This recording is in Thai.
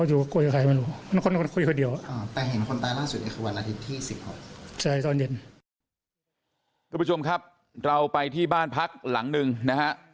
คุณผู้ชมครับเราไปที่บ้านพักหลังหนึ่งนะฮะ